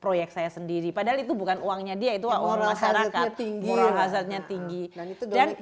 proyek saya sendiri padahal itu bukan uangnya dia itu uang masyarakat tinggi hazardnya tinggi dan